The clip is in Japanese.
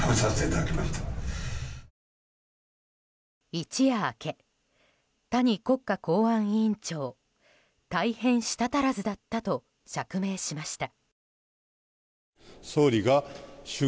一夜明け、谷国家公安委員長大変、舌足らずだったと釈明しました。